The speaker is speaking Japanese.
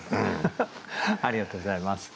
ありがとうございます。